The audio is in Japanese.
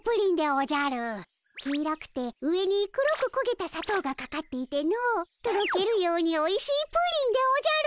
黄色くて上に黒くこげたさとうがかかっていてのとろけるようにおいしいプリンでおじゃる！